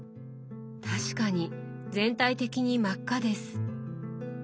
確かに全体的に真っ赤です。